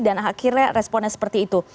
dan akhirnya responnya seperti itu